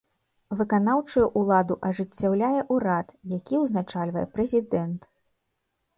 Выканаўчую ўладу ажыццяўляе ўрад, які ўзначальвае прэзідэнт.